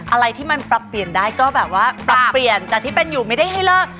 อะไรที่มันปรับเปลี่ยนได้ก็แบบว่าปรับเปลี่ยนจากที่เป็นอยู่ไม่ได้ให้เลิก